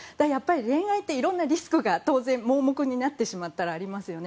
恋愛っていろんなリスクが当然、盲目になってしまったらありますよね。